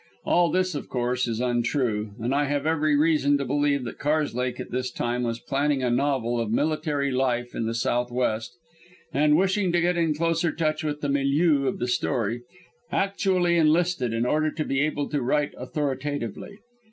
All this, of course, is untrue, and I have every reason to believe that Karslake at this time was planning a novel of military life in the Southwest, and, wishing to get in closer touch with the milieu of the story, actually enlisted in order to be able to write authoritatively.